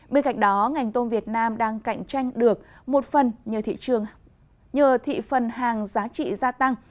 bên cạnh đó ngành tôm việt nam đang cạnh tranh được một phần nhờ thị phần hàng giá trị gia tăng